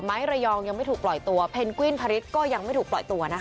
ระยองยังไม่ถูกปล่อยตัวเพนกวินพริษก็ยังไม่ถูกปล่อยตัวนะคะ